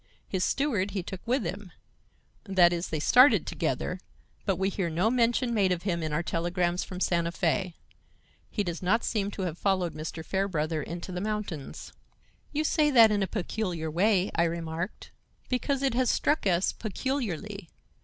His steward he took with him,—that is, they started together. But we hear no mention made of him in our telegrams from Santa Fe. He does not seem to have followed Mr. Fairbrother into the mountains." "You say that in a peculiar way," I remarked. "Because it has struck us peculiarly.